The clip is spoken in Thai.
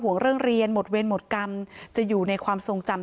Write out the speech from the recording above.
เรื่องเรียนหมดเวรหมดกรรมจะอยู่ในความทรงจำ